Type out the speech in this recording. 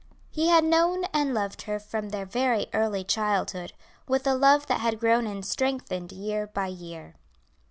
He had known and loved her from their very early childhood; with a love that had grown and strengthened year by year.